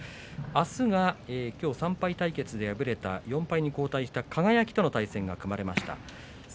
明日は今日３敗対決で敗れた４敗に後退した輝との対戦が組まれました。